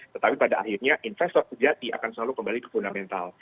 tetapi pada akhirnya investor sejati akan selalu kembali ke fundamental